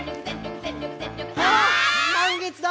「満月だ！」